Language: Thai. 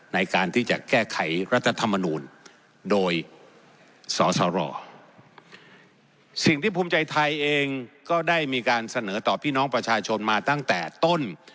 ในการที่จะแก้ไขรัฐธรรมนูลโดยสสรสิ่งที่ภูมิใจไทยเองก็ได้มีการเสนอต่อพี่น้องประชาชนมาตั้งแต่ต้น